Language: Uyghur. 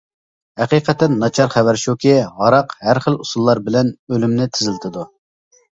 ھەقىقەتەن ناچار خەۋەر شۇكى ، ھاراق ھەر خىل ئۇسۇللار بىلەن ئۆلۈمنى تېزلىتىدۇ.